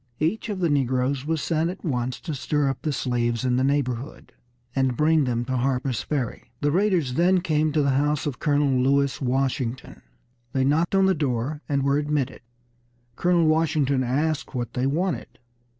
Each of the negroes was sent at once to stir up the slaves in the neighborhood, and bring them to Harper's Ferry. The raiders then came to the house of Colonel Lewis Washington. They knocked on the door, and were admitted. Colonel Washington asked what they wanted.